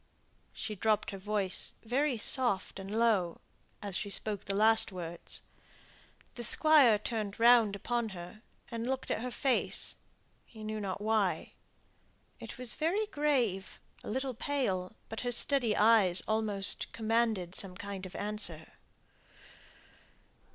She dropped her voice very soft and low, as she spoke the last words. The Squire turned round upon her, and looked at her face, he knew not why. It was very grave, a little pale, but her steady eyes almost commanded some kind of answer.